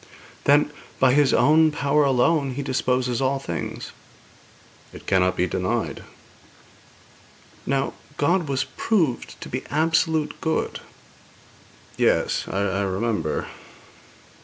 'Then, by His own power alone He disposes all things.' 'It cannot be denied.' 'Now, God was proved to be absolute good.' 'Yes; I remember.'